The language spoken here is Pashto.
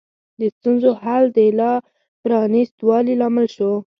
د ستونزو حل د لا پرانیست والي لامل شو.